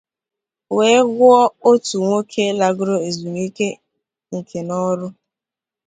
wee gwuo ótù nwoke lagoro ezumike nke n'ọrụ